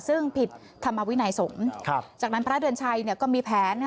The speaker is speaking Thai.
ซึ่งผิดธรรมวินัยสงฆ์จากนั้นพระเดือนชัยก็มีแผน